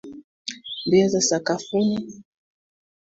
Mbio za sakafuni.